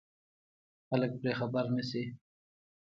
خلک پرې خبر نه شي.